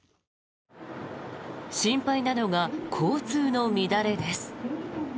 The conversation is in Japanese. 心配なのが交通の乱れです。